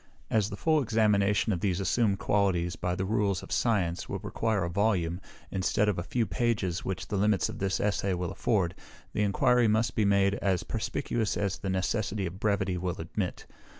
As the full examination of these assumed qualities, by the rules of science, would require a volume, instead of a few pages, which the limits of this Essay will afford, the enquiry must be made as perspicuous as the necessity of brevity will admit.